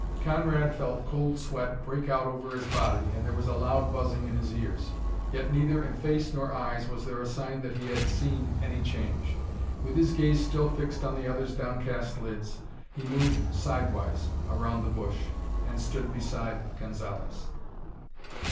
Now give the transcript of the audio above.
Conrad felt cold sweat break out over his body and there was a loud buzzing in his ears. Yet neither in face nor eyes was there a sign that he had seen any change. With his gaze still fixed on the other's downcast lids, he moved sidewise around the bush, and stood beside Gonzalez.